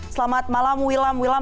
selamat malam wilam